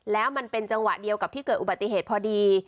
แล้วมันเป็นจังหวะเดียวกับที่เกิดอุบัติเหตุพอดี